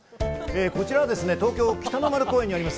こちらはですね、東京・北の丸公園にあります